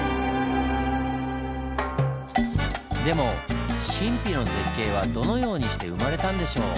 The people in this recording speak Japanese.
でも神秘の絶景はどのようにして生まれたんでしょう？